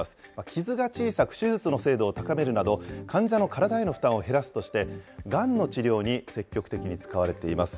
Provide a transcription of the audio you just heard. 傷が小さく、手術の精度を高めるなど、患者の体への負担を減らすとして、がんの治療に積極的に使われています。